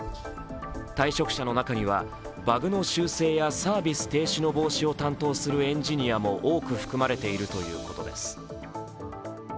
退職者の中には、バグの修正やサービス停止の防止を担当するエンジニアも多く含まれているということです。